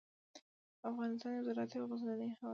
افغانستان یو زراعتي او غرنی هیواد دی.